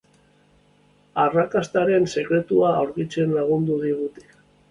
Arrakastaren sekretua aurkitzen lagundu digute.